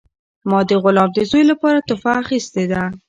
ما د غلام د زوی لپاره تحفه اخیستې ده.